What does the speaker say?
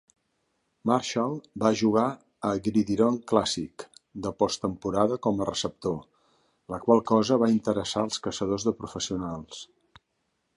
Marshall va jugar el Gridiron Classic de posttemporada com a receptor, la qual cosa va interessar els caçadors de professionals.